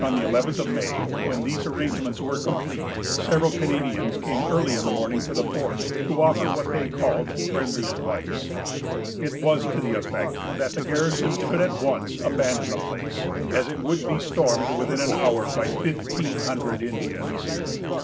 On the eleventh of May, when these arrangements were complete, several Canadians came early in the morning to the fort, to offer what they called friendly advice. It was to the effect that the garrison should at once abandon the place, as it would be stormed within an hour by fifteen hundred Indians.